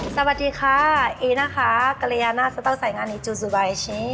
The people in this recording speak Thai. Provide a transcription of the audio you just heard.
สวัสดีค่ะอีนะคะกรยานาซาตาวสัยงานนิจุสุบายชิ้น